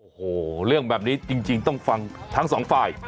โอ้โหเรื่องแบบนี้จริงต้องฟังทั้งสองฝ่าย